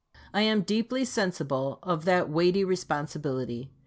I am deeply sensible of that weighty responsibility.